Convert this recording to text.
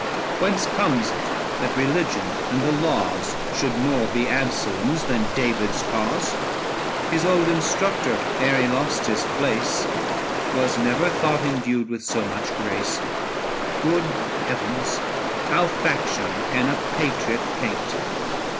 Whence comes it that religion and the laws Should more be Absalom's than David's cause ? 970 His old instructor, ere he lost his place, Was never thought endued with so much grace. Good heavens, how faction can a patriot paint